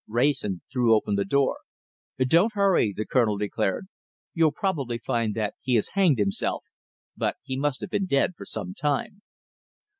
Wrayson threw open the door. "Don't hurry," the Colonel declared. "You'll probably find that he has hanged himself, but he must have been dead for some time."